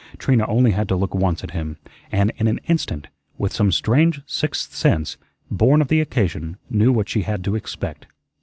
Trina only had to look once at him, and in an instant, with some strange sixth sense, born of the occasion, knew what she had to expect.